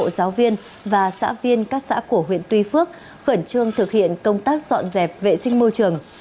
các giáo viên và xã viên các xã của huyện tuy phước khẩn trương thực hiện công tác dọn dẹp vệ sinh môi trường